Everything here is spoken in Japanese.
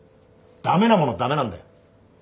駄目なものは駄目なんだよ。